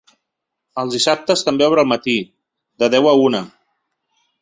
Els dissabtes també obre al matí, de deu a una.